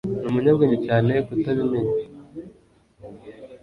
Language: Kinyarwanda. ni umunyabwenge cyane kutabimenya